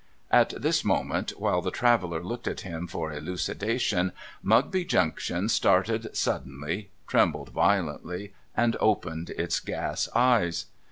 At this moment, while the traveller looked at him for elucidation, Mugby Junction started suddenly, trembled violently, and opened its gas eyes.